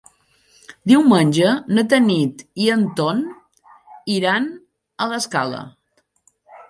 Diumenge na Tanit i en Ton iran a l'Escala.